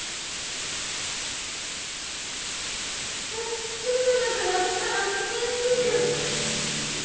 これ全部なくなったらふべんすぎる。